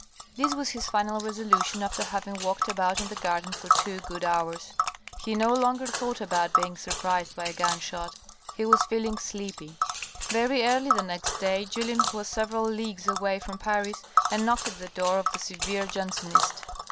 This was his final resolution after having walked about in the garden for two good hours. He no longer thought about being surprised by a gun shot. He was feeling sleepy. Very early the next day, Julien was several leagues away from Paris and knocked at the door of the severe Jansenist.